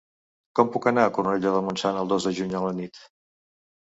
Com puc anar a Cornudella de Montsant el dos de juny a la nit?